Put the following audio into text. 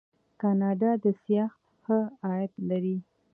کاناډا د سیاحت ښه عاید لري.